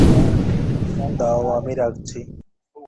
দাও আমি রাখছি।